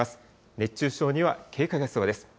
熱中症には警戒が必要です。